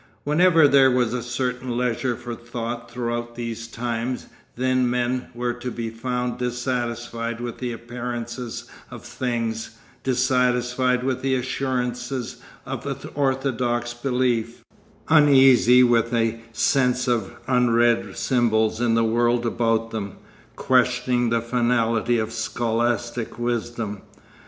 Whenever there was a certain leisure for thought throughout these times, then men were to be found dissatisfied with the appearances of things, dissatisfied with the assurances of orthodox belief, uneasy with a sense of unread symbols in the world about them, questioning the finality of scholastic wisdom.